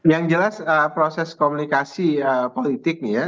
yang jelas proses komunikasi politik nih ya